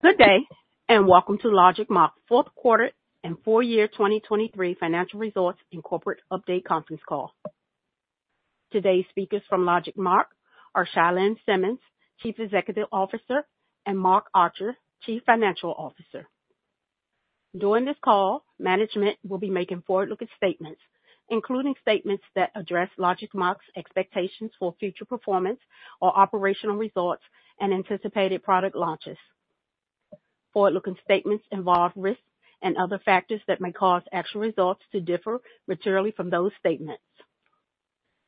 Good day and welcome to LogicMark fourth quarter and full-year 2023 financial results and corporate update conference call. Today's speakers from LogicMark are Chia-Lin Simmons, Chief Executive Officer, and Mark Archer, Chief Financial Officer. During this call, management will be making forward-looking statements, including statements that address LogicMark's expectations for future performance or operational results and anticipated product launches. Forward-looking statements involve risks and other factors that may cause actual results to differ materially from those statements.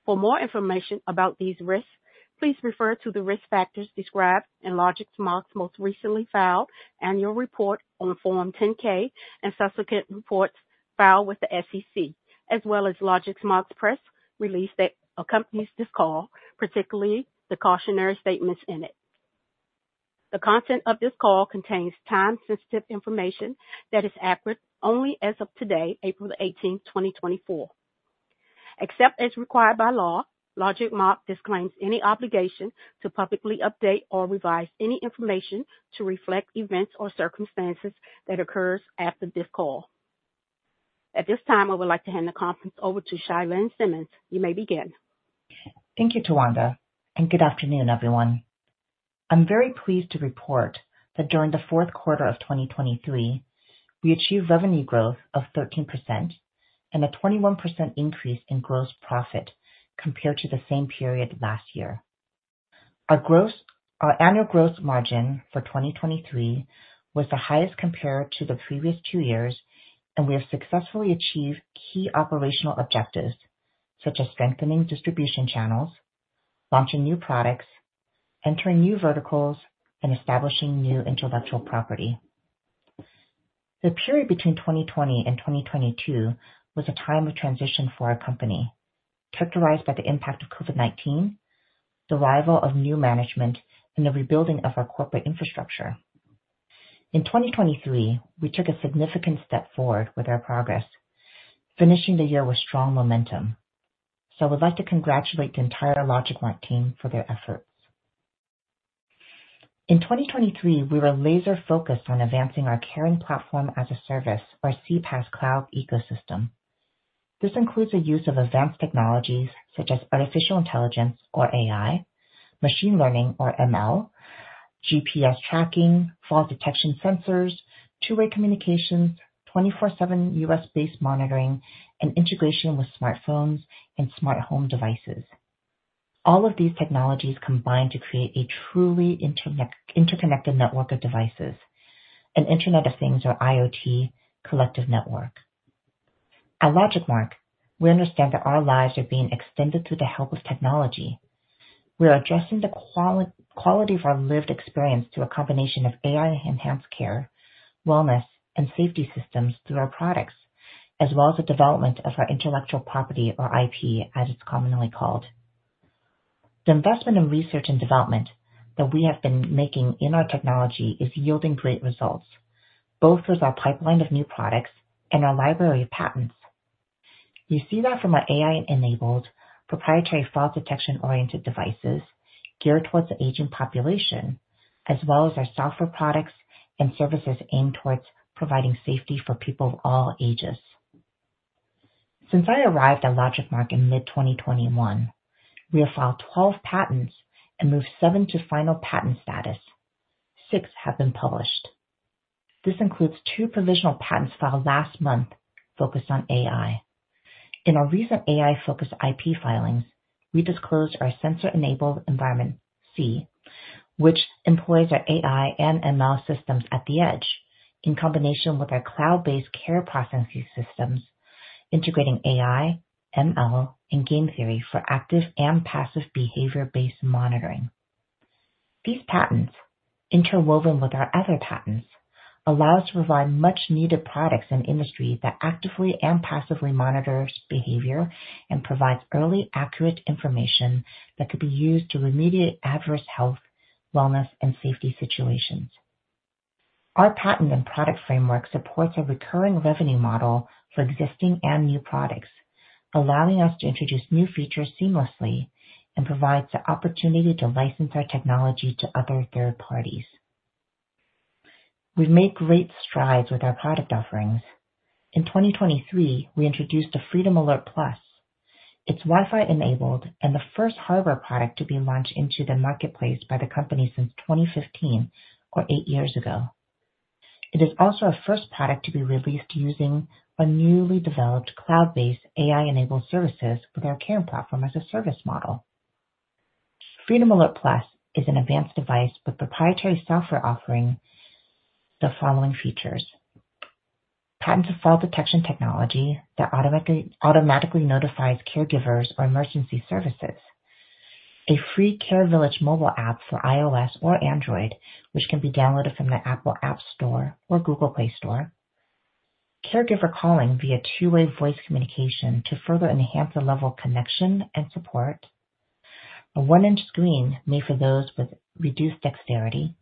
For more information about these risks, please refer to the risk factors described in LogicMark's most recently filed annual report on Form 10-K and subsequent reports filed with the SEC, as well as LogicMark's press release that accompanies this call, particularly the cautionary statements in it. The content of this call contains time-sensitive information that is accurate only as of today, April 18, 2024. Except as required by law, LogicMark disclaims any obligation to publicly update or revise any information to reflect events or circumstances that occur after this call. At this time, I would like to hand the conference over to Chia-Lin Simmons. You may begin. Thank you, Tuwanda, and good afternoon, everyone. I'm very pleased to report that during the fourth quarter of 2023, we achieved revenue growth of 13% and a 21% increase in gross profit compared to the same period last year. Our annual gross margin for 2023 was the highest compared to the previous two years, and we have successfully achieved key operational objectives such as strengthening distribution channels, launching new products, entering new verticals, and establishing new intellectual property. The period between 2020 and 2022 was a time of transition for our company, characterized by the impact of COVID-19, the arrival of new management, and the rebuilding of our corporate infrastructure. In 2023, we took a significant step forward with our progress, finishing the year with strong momentum. So I would like to congratulate the entire LogicMark team for their efforts. In 2023, we were laser-focused on advancing our Caring Platform as a Service, or CPaaS, cloud ecosystem. This includes the use of advanced technologies such as Artificial Intelligence, or AI, machine learning, or ML, GPS tracking, fall detection sensors, two-way communications, 24/7 U.S.-based monitoring, and integration with smartphones and smart home devices. All of these technologies combine to create a truly interconnected network of devices, an Internet of Things, or IoT, collective network. At LogicMark, we understand that our lives are being extended through the help of technology. We are addressing the quality of our lived experience through a combination of AI-enhanced care, wellness, and safety systems through our products, as well as the development of our intellectual property, or IP, as it's commonly called. The investment in research and development that we have been making in our technology is yielding great results, both with our pipeline of new products and our library of patents. You see that from our AI-enabled proprietary false detection-oriented devices geared towards the aging population, as well as our software products and services aimed towards providing safety for people of all ages. Since I arrived at LogicMark in mid-2021, we have filed 12 patents and moved seven to final patent status. Six have been published. This includes two provisional patents filed last month focused on AI. In our recent AI-focused IP filings, we disclosed our sensor environments, i.e., which employs our AI and ML systems at the edge in combination with our cloud-based care processing systems integrating AI, ML, and game theory for active and passive behavior-based monitoring. These patents, interwoven with our other patents, allow us to provide much-needed products in industry that actively and passively monitors behavior and provides early, accurate information that could be used to remediate adverse health, wellness, and safety situations. Our patent and product framework supports a recurring revenue model for existing and new products, allowing us to introduce new features seamlessly and provides the opportunity to license our technology to other third parties. We've made great strides with our product offerings. In 2023, we introduced the Freedom Alert Plus. It's Wi-Fi-enabled and the first hardware product to be launched into the marketplace by the company since 2015, or eight years ago. It is also our first product to be released using our newly developed cloud-based AI-enabled services with our Caring Platform as a Service model. Freedom Alert Plus is an advanced device with proprietary software offering the following features: patented false detection technology that automatically notifies caregivers or emergency services. A free Care Village mobile app for iOS or Android, which can be downloaded from the Apple App Store or Google Play Store. Caregiver calling via two-way voice communication to further enhance the level of connection and support. A 1-inch screen made for those with reduced dexterity.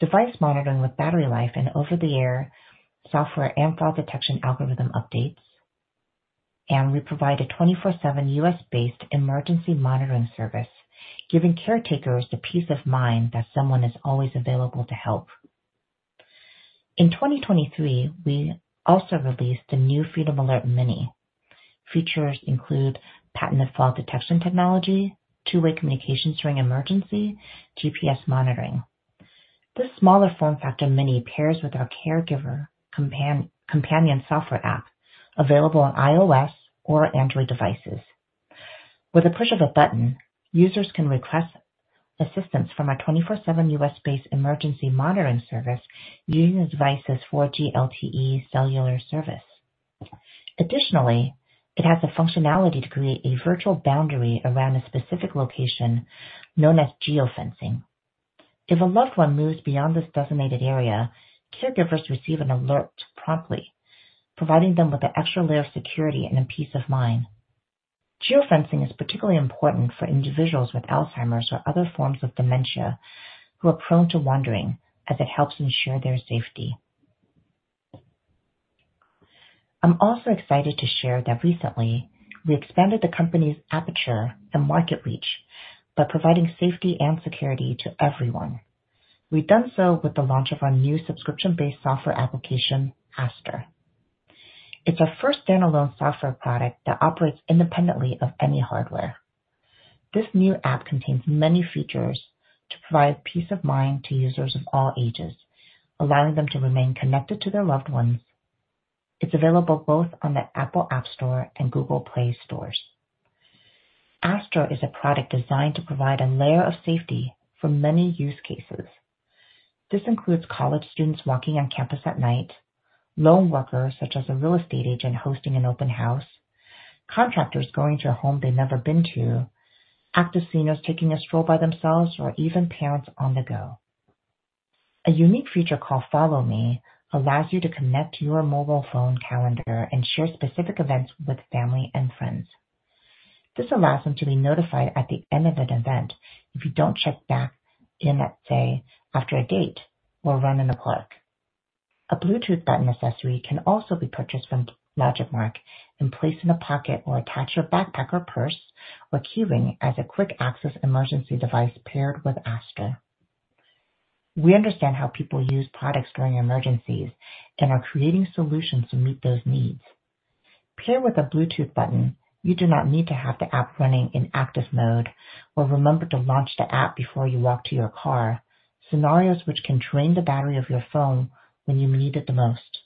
Device monitoring with battery life and over-the-air software and false detection algorithm updates. We provide a 24/7 U.S.-based emergency monitoring service, giving caretakers the peace of mind that someone is always available to help. In 2023, we also released the new Freedom Alert Mini. Features include patented false detection technology, two-way communication during emergency, GPS monitoring. This smaller form factor mini pairs with our Caregiver Companion software app available on iOS or Android devices. With the push of a button, users can request assistance from our 24/7 U.S.-based emergency monitoring service using the device's 4G LTE cellular service. Additionally, it has the functionality to create a virtual boundary around a specific location known as geofencing. If a loved one moves beyond this designated area, caregivers receive an alert promptly, providing them with an extra layer of security and peace of mind. Geofencing is particularly important for individuals with Alzheimer's or other forms of dementia who are prone to wandering, as it helps ensure their safety. I'm also excited to share that recently, we expanded the company's aperture and market reach by providing safety and security to everyone. We've done so with the launch of our new subscription-based software application, Aster. It's our first standalone software product that operates independently of any hardware. This new app contains many features to provide peace of mind to users of all ages, allowing them to remain connected to their loved ones. It's available both on the Apple App Store and Google Play Stores. Aster is a product designed to provide a layer of safety for many use cases. This includes college students walking on campus at night, lone workers such as a real estate agent hosting an open house, contractors going to a home they've never been to, active seniors taking a stroll by themselves, or even parents on the go. A unique feature called Follow Me allows you to connect your mobile phone calendar and share specific events with family and friends. This allows them to be notified at the end of an event if you don't check back in, say, after a date or run in the park. A Bluetooth button accessory can also be purchased from LogicMark and placed in a pocket or attached to your backpack or purse, or key ring as a quick access emergency device paired with Aster. We understand how people use products during emergencies and are creating solutions to meet those needs. Paired with a Bluetooth button, you do not need to have the app running in active mode or remember to launch the app before you walk to your car, scenarios which can drain the battery of your phone when you need it the most.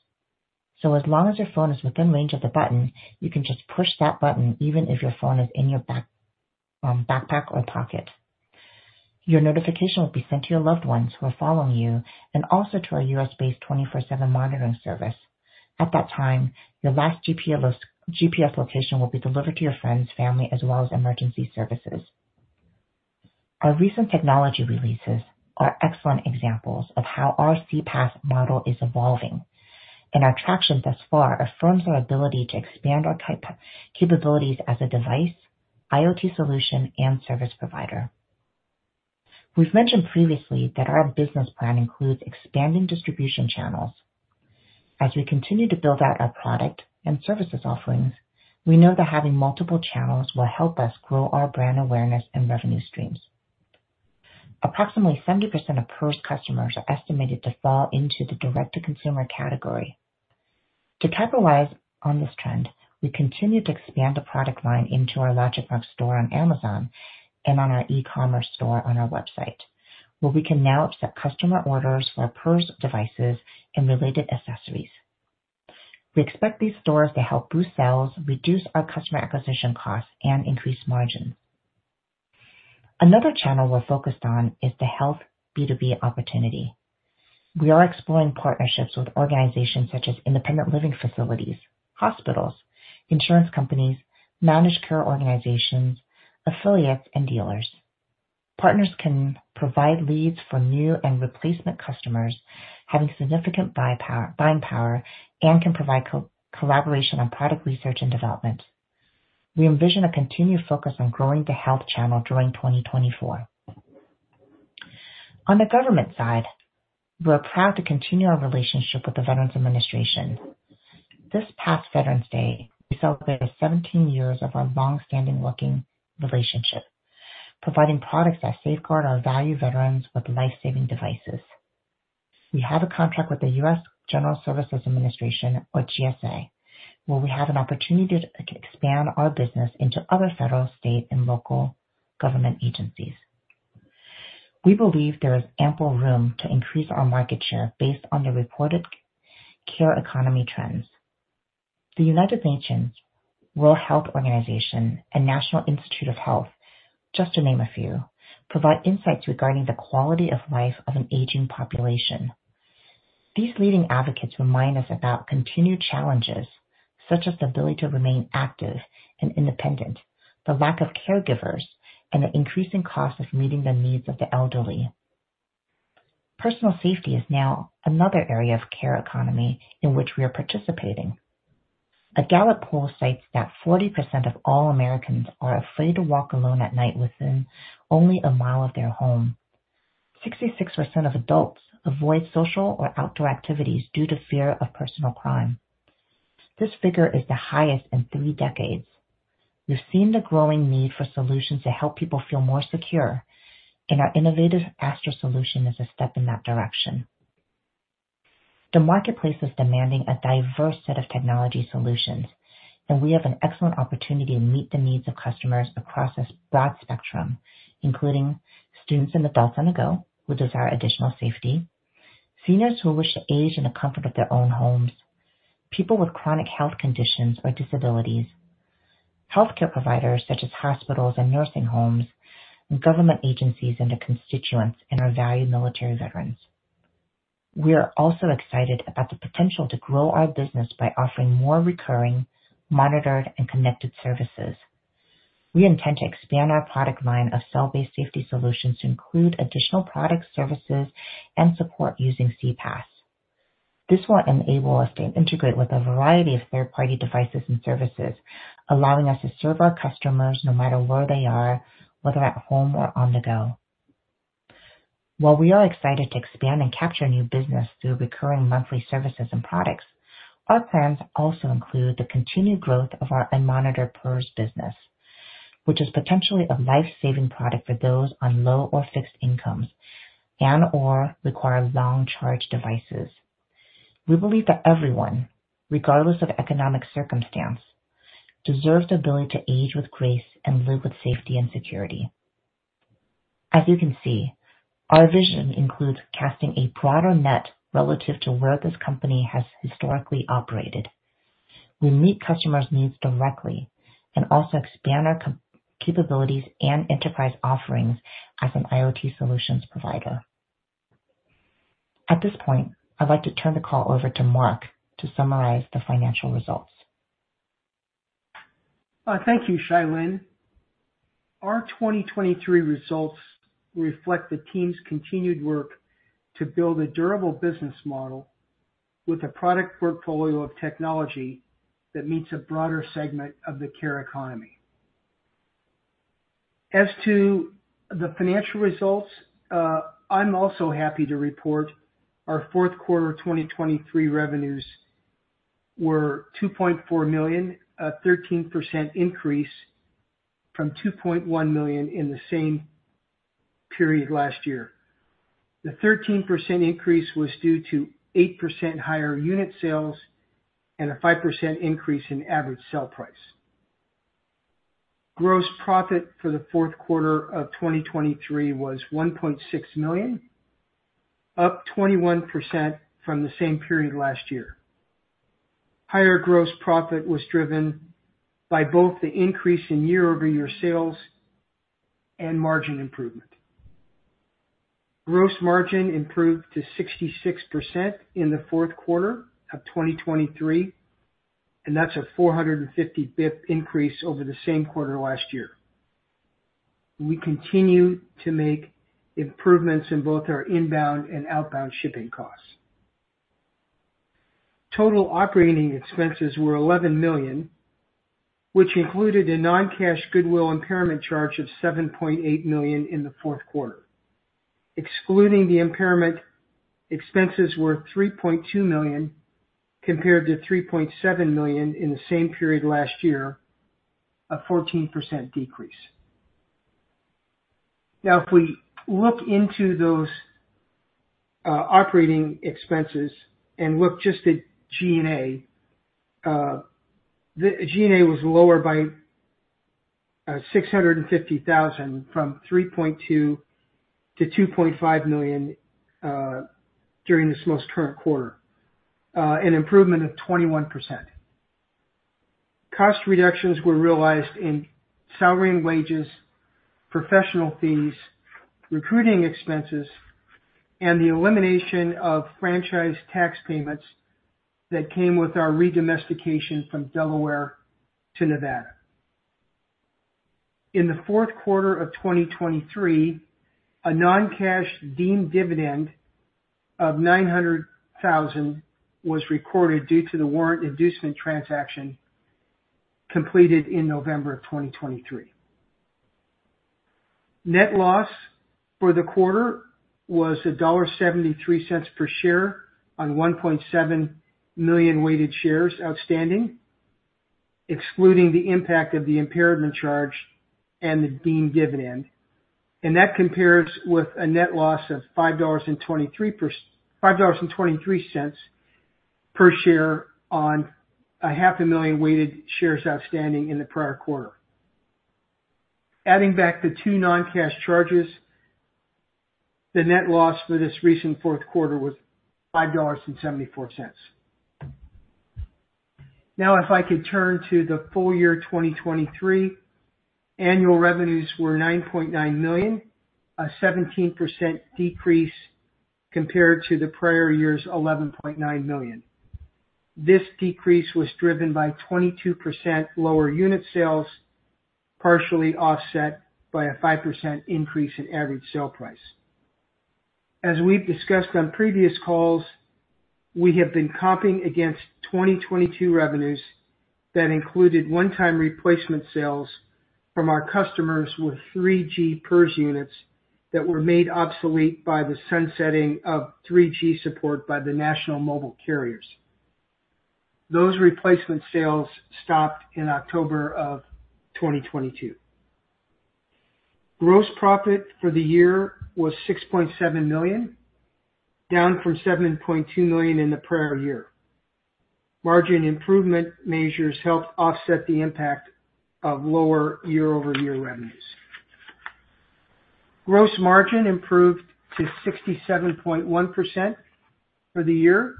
As long as your phone is within range of the button, you can just push that button even if your phone is in your backpack or pocket. Your notification will be sent to your loved ones who are following you and also to our U.S.-based 24/7 monitoring service. At that time, your last GPS location will be delivered to your friends, family, as well as emergency services. Our recent technology releases are excellent examples of how our CPaaS model is evolving, and our traction thus far affirms our ability to expand our capabilities as a device, IoT solution, and service provider. We've mentioned previously that our business plan includes expanding distribution channels. As we continue to build out our product and services offerings, we know that having multiple channels will help us grow our brand awareness and revenue streams. Approximately 70% of PERS customers are estimated to fall into the direct-to-consumer category. To capitalize on this trend, we continue to expand the product line into our LogicMark store on Amazon and on our e-commerce store on our website, where we can now accept customer orders for our PERS devices and related accessories. We expect these stores to help boost sales, reduce our customer acquisition costs, and increase margins. Another channel we're focused on is the health B2B opportunity. We are exploring partnerships with organizations such as independent living facilities, hospitals, insurance companies, managed care organizations, affiliates, and dealers. Partners can provide leads for new and replacement customers, having significant buying power, and can provide collaboration on product research and development. We envision a continued focus on growing the health channel during 2024. On the government side, we're proud to continue our relationship with the Veterans Administration. This past Veterans Day, we celebrated 17 years of our longstanding working relationship, providing products that safeguard our valued veterans with lifesaving devices. We have a contract with the U.S. General Services Administration, or GSA, where we have an opportunity to expand our business into other federal, state, and local government agencies. We believe there is ample room to increase our market share based on the reported care economy trends. The United Nations, World Health Organization, and National Institutes of Health, just to name a few, provide insights regarding the quality of life of an aging population. These leading advocates remind us about continued challenges such as the ability to remain active and independent, the lack of caregivers, and the increasing cost of meeting the needs of the elderly. Personal safety is now another area of care economy in which we are participating. A Gallup poll cites that 40% of all Americans are afraid to walk alone at night within only a mile of their home. 66% of adults avoid social or outdoor activities due to fear of personal crime. This figure is the highest in three decades. We've seen the growing need for solutions to help people feel more secure, and our innovative Aster solution is a step in that direction. The marketplace is demanding a diverse set of technology solutions, and we have an excellent opportunity to meet the needs of customers across a broad spectrum, including students and adults on the go who desire additional safety, seniors who wish to age in the comfort of their own homes, people with chronic health conditions or disabilities, healthcare providers such as hospitals and nursing homes, government agencies and their constituents, and our valued military veterans. We are also excited about the potential to grow our business by offering more recurring, monitored, and connected services. We intend to expand our product line of cell-based safety solutions to include additional products, services, and support using CPaaS. This will enable us to integrate with a variety of third-party devices and services, allowing us to serve our customers no matter where they are, whether at home or on the go. While we are excited to expand and capture new business through recurring monthly services and products, our plans also include the continued growth of our unmonitored PERS business, which is potentially a lifesaving product for those on low or fixed incomes and/or require long-range devices. We believe that everyone, regardless of economic circumstance, deserves the ability to age with grace and live with safety and security. As you can see, our vision includes casting a broader net relative to where this company has historically operated. We meet customers' needs directly and also expand our capabilities and enterprise offerings as an IoT solutions provider. At this point, I'd like to turn the call over to Mark to summarize the financial results. Thank you, Chia-Lin. Our 2023 results reflect the team's continued work to build a durable business model with a product portfolio of technology that meets a broader segment of the care economy. As to the financial results, I'm also happy to report our fourth quarter 2023 revenues were $2.4 million, a 13% increase from $2.1 million in the same period last year. The 13% increase was due to 8% higher unit sales and a 5% increase in average sell price. Gross profit for the fourth quarter of 2023 was $1.6 million, up 21% from the same period last year. Higher gross profit was driven by both the increase in year-over-year sales and margin improvement. Gross margin improved to 66% in the fourth quarter of 2023, and that's a 450 basis point increase over the same quarter last year. We continue to make improvements in both our inbound and outbound shipping costs. Total operating expenses were $11 million, which included a non-cash goodwill impairment charge of $7.8 million in the fourth quarter. Excluding the impairment, expenses were $3.2 million compared to $3.7 million in the same period last year, a 14% decrease. Now, if we look into those operating expenses and look just at G&A, G&A was lower by $650,000 from $3.2 million to $2.5 million during this most current quarter, an improvement of 21%. Cost reductions were realized in salary and wages, professional fees, recruiting expenses, and the elimination of franchise tax payments that came with our redomestication from Delaware to Nevada. In the fourth quarter of 2023, a non-cash deemed dividend of $900,000 was recorded due to the warrant inducement transaction completed in November of 2023. Net loss for the quarter was $1.73 per share on 1.7 million weighted shares outstanding, excluding the impact of the impairment charge and the deemed dividend. That compares with a net loss of $5.23 per share on 500,000 weighted shares outstanding in the prior quarter. Adding back the two non-cash charges, the net loss for this recent fourth quarter was $5.74. Now, if I could turn to the full year 2023, annual revenues were $9.9 million, a 17% decrease compared to the prior year's $11.9 million. This decrease was driven by 22% lower unit sales, partially offset by a 5% increase in average sell price. As we've discussed on previous calls, we have been comping against 2022 revenues that included one-time replacement sales from our customers with 3G PERS that were made obsolete by the sunsetting of 3G support by the national mobile carriers. Those replacement sales stopped in October of 2022. Gross profit for the year was $6.7 million, down from $7.2 million in the prior year. Margin improvement measures helped offset the impact of lower year-over-year revenues. Gross margin improved to 67.1% for the year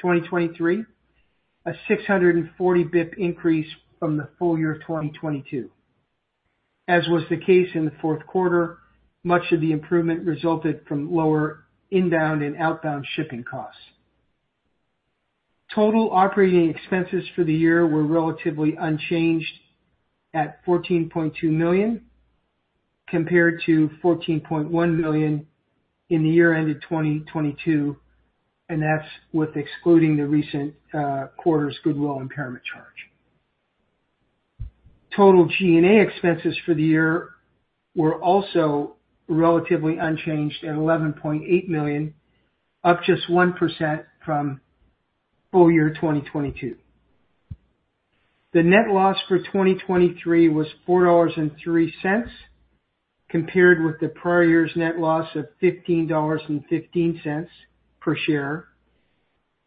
2023, a 640 basis point increase from the full year 2022. As was the case in the fourth quarter, much of the improvement resulted from lower inbound and outbound shipping costs. Total operating expenses for the year were relatively unchanged at $14.2 million compared to $14.1 million in the year ended 2022, and that's with excluding the recent quarter's goodwill impairment charge. Total G&A expenses for the year were also relatively unchanged at $11.8 million, up just 1% from full year 2022. The net loss for 2023 was $4.03 compared with the prior year's net loss of $15.15 per share,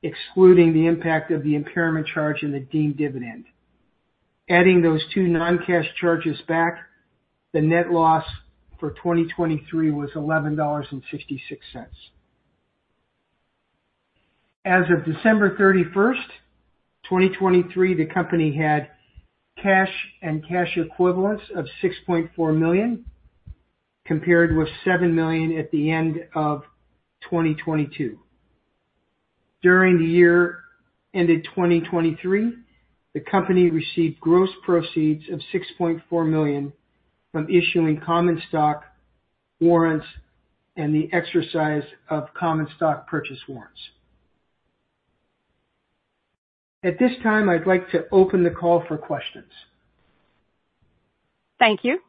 excluding the impact of the impairment charge and the deemed dividend. Adding those two non-cash charges back, the net loss for 2023 was $11.66. As of December 31, 2023, the company had cash and cash equivalents of $6.4 million compared with $7 million at the end of 2022. During the year ended 2023, the company received gross proceeds of $6.4 million from issuing common stock warrants and the exercise of common stock purchase warrants. At this time, I'd like to open the call for questions. Thank you.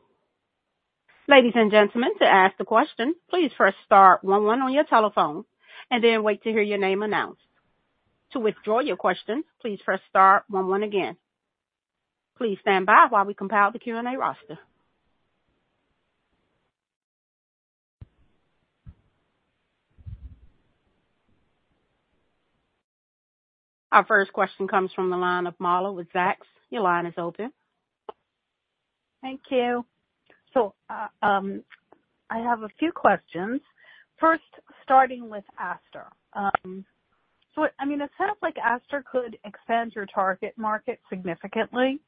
Ladies and gentlemen, to ask a question, please press star one one on your telephone and then wait to hear your name announced. To withdraw your questions, please press star one one again. Please stand by while we compile the Q&A roster. Our first question comes from the line of Marla with Zacks. Your line is open. Thank you. So I have a few questions. First, starting with Aster. So I mean, it sounds like Aster could expand your target market significantly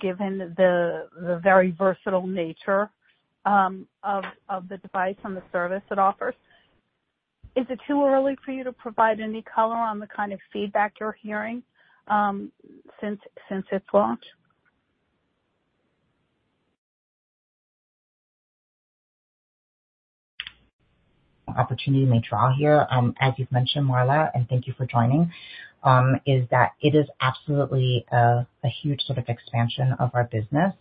given the very versatile nature of the device and the service it offers. Is it too early for you to provide any color on the kind of feedback you're hearing since it's launched? Opportunity to maybe draw here, as you've mentioned, Marla, and thank you for joining, is that it is absolutely a huge sort of expansion of our business.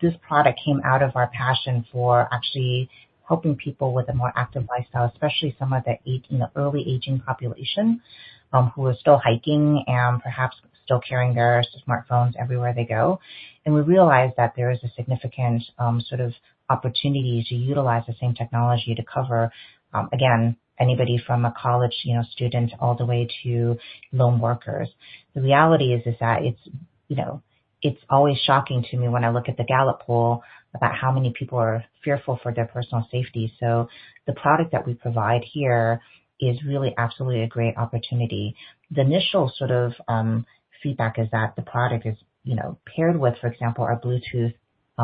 This product came out of our passion for actually helping people with a more active lifestyle, especially some of the early-aging population who are still hiking and perhaps still carrying their smartphones everywhere they go. And we realized that there is a significant sort of opportunity to utilize the same technology to cover, again, anybody from a college student all the way to lone workers. The reality is that it's always shocking to me when I look at the Gallup poll about how many people are fearful for their personal safety. So the product that we provide here is really absolutely a great opportunity. The initial sort of feedback is that the product is paired with, for example, our Bluetooth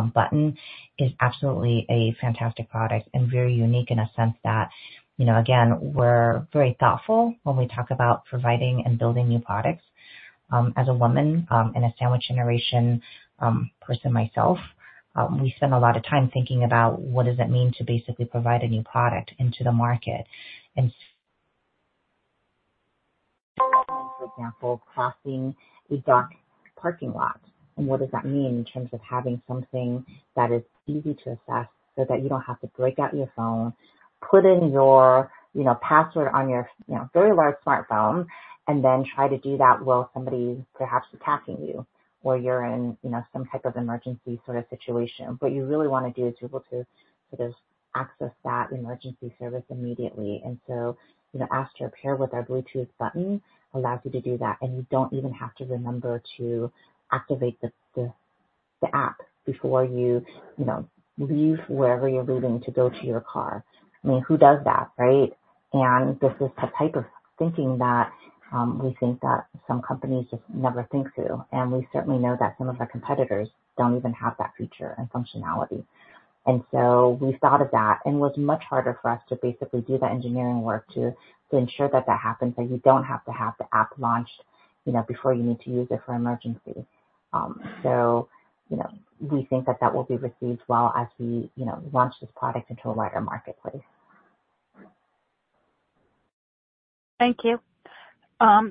button is absolutely a fantastic product and very unique in a sense that, again, we're very thoughtful when we talk about providing and building new products. As a woman and a sandwich generation person myself, we spend a lot of time thinking about what does it mean to basically provide a new product into the market. For example, crossing a dark parking lot and what does that mean in terms of having something that is easy to access so that you don't have to break out your phone, put in your password on your very large smartphone, and then try to do that while somebody's perhaps attacking you or you're in some type of emergency sort of situation? What you really want to do is be able to sort of access that emergency service immediately. And so Aster paired with our Bluetooth button allows you to do that, and you don't even have to remember to activate the app before you leave wherever you're leaving to go to your car. I mean, who does that, right? And this is the type of thinking that we think that some companies just never think through. And we certainly know that some of our competitors don't even have that feature and functionality. And so we thought of that and it was much harder for us to basically do that engineering work to ensure that that happens, that you don't have to have the app launched before you need to use it for emergency. So we think that that will be received well as we launch this product into a wider marketplace. Thank you. So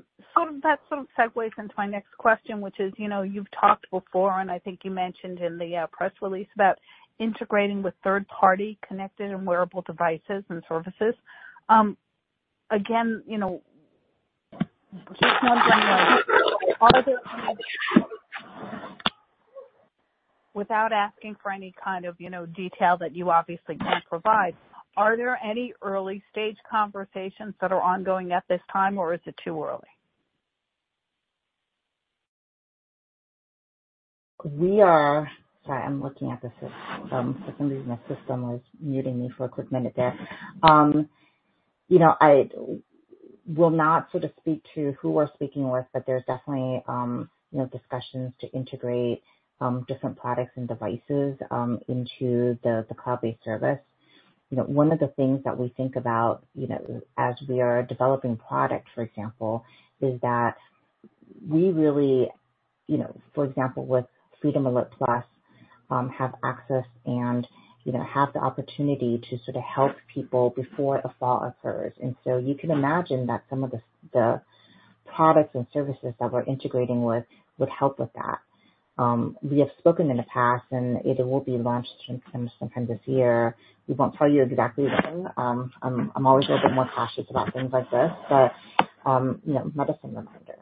that sort of segues into my next question, which is you've talked before, and I think you mentioned in the press release about integrating with third-party connected and wearable devices and services. Again, just one general idea. Without asking for any kind of detail that you obviously can't provide, are there any early-stage conversations that are ongoing at this time, or is it too early? Sorry, I'm looking at the system. For some reason, the system was muting me for a quick minute there. I will not sort of speak to who we're speaking with, but there's definitely discussions to integrate different products and devices into the cloud-based service. One of the things that we think about as we are developing products, for example, is that we really, for example, with Freedom Alert Plus, have access and have the opportunity to sort of help people before a fall occurs. And so you can imagine that some of the products and services that we're integrating with would help with that. We have spoken in the past, and it will be launched sometime this year. We won't tell you exactly when. I'm always a little bit more cautious about things like this, but medicine reminder.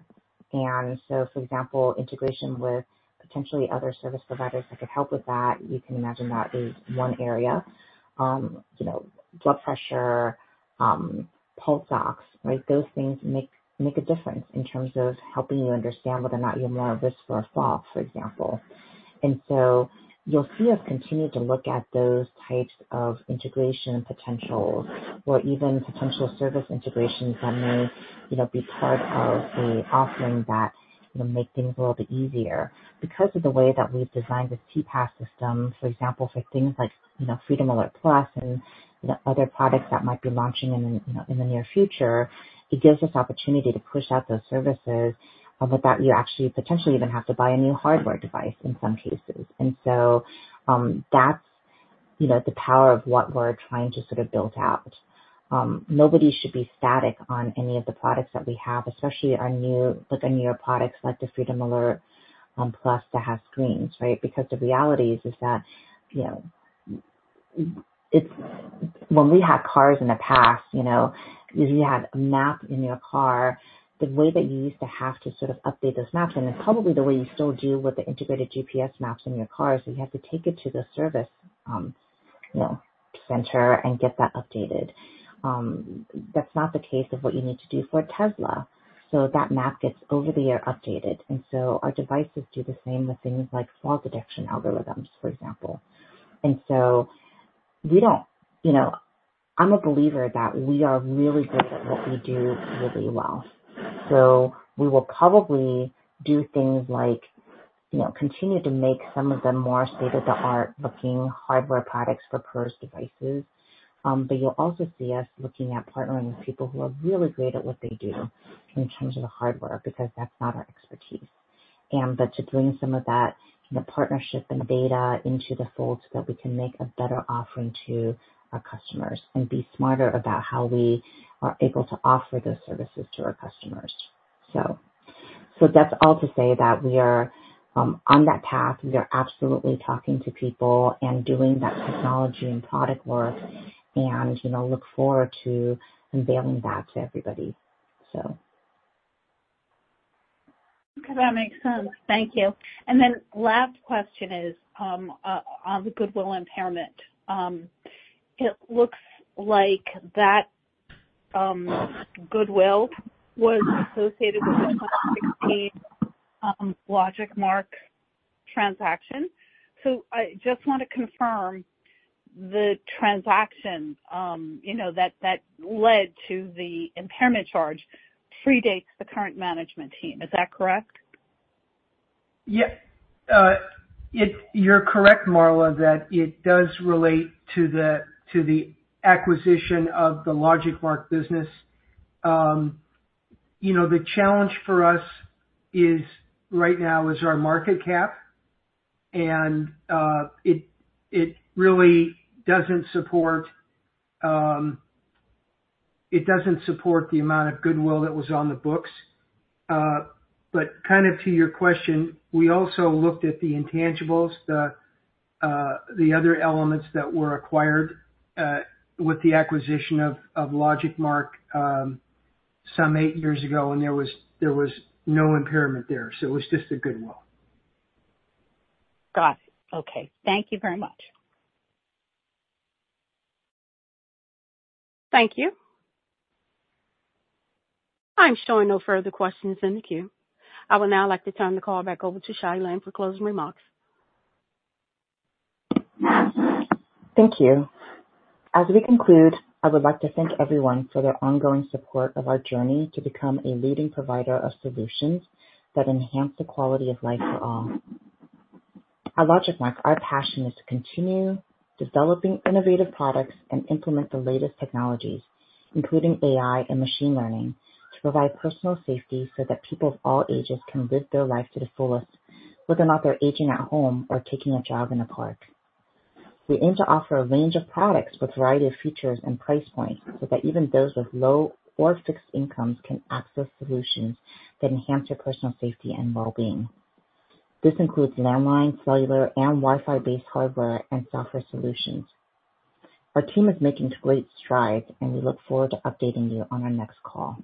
And so, for example, integration with potentially other service providers that could help with that, you can imagine that is one area. Blood pressure, pulse ox, right? Those things make a difference in terms of helping you understand whether or not you're more at risk for a fall, for example. And so you'll see us continue to look at those types of integration potentials or even potential service integrations that may be part of the offering that make things a little bit easier. Because of the way that we've designed this CPaaS system, for example, for things like Freedom Alert Plus and other products that might be launching in the near future, it gives us opportunity to push out those services without you actually potentially even having to buy a new hardware device in some cases. And so that's the power of what we're trying to sort of build out. Nobody should be static on any of the products that we have, especially like the newer products like the Freedom Alert Plus that has screens, right? Because the reality is that when we had cars in the past, if you had a map in your car, the way that you used to have to sort of update those maps and it's probably the way you still do with the integrated GPS maps in your car is that you have to take it to the service center and get that updated. That's not the case of what you need to do for Tesla. So that map gets over-the-air updated. And so our devices do the same with things like fall detection algorithms, for example. And so we don't. I'm a believer that we are really good at what we do really well. So we will probably do things like continue to make some of the more state-of-the-art-looking hardware products for PERS devices. But you'll also see us looking at partnering with people who are really great at what they do in terms of the hardware because that's not our expertise. But to bring some of that partnership and data into the fold so that we can make a better offering to our customers and be smarter about how we are able to offer those services to our customers. So that's all to say that we are on that path. We are absolutely talking to people and doing that technology and product work and look forward to unveiling that to everybody, so. Okay. That makes sense. Thank you. And then last question is on the goodwill impairment. It looks like that goodwill was associated with the 2016 LogicMark transaction. So I just want to confirm the transaction that led to the impairment charge predates the current management team. Is that correct? Yep. You're correct, Marla, that it does relate to the acquisition of the LogicMark business. The challenge for us right now is our market cap, and it really doesn't support the amount of goodwill that was on the books. But kind of to your question, we also looked at the intangibles, the other elements that were acquired with the acquisition of LogicMark some eight years ago, and there was no impairment there. So it was just the goodwill. Got it. Okay. Thank you very much. Thank you. I'm showing no further questions in the queue. I would now like to turn the call back over to Chia-Lin for closing remarks. Thank you. As we conclude, I would like to thank everyone for their ongoing support of our journey to become a leading provider of solutions that enhance the quality of life for all. At LogicMark, our passion is to continue developing innovative products and implement the latest technologies, including AI and machine learning, to provide personal safety so that people of all ages can live their life to the fullest, whether or not they're aging at home or taking a jog in a park. We aim to offer a range of products with a variety of features and price points so that even those with low or fixed incomes can access solutions that enhance their personal safety and well-being. This includes landline, cellular, and Wi-Fi-based hardware and software solutions. Our team is making great strides, and we look forward to updating you on our next call.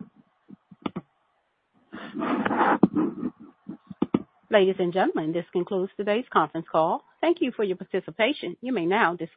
Ladies and gentlemen, this concludes today's conference call. Thank you for your participation. You may now disconnect.